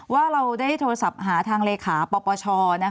ว่าเราได้โทรศัพท์หาทางเลขาปปช